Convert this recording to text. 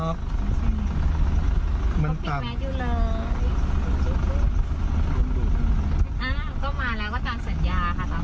อามันก็มาแล้วก็ตามสัญญาค่ะตามสัญญา